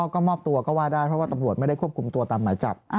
ก็มอบตัวก็ว่าได้เพราะว่าตำรวจไม่ได้ควบคุมตัวตามหมายจับ